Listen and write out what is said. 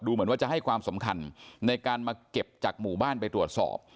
เหมือนว่าจะให้ความสำคัญในการมาเก็บจากหมู่บ้านไปตรวจสอบ